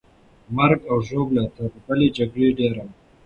مرګ او ژوبله تر بلې جګړې ډېره وه.